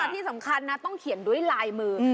ที่สำคัญนะต้องเขียนด้วยลายมือ